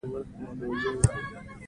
خواړه خوندور دې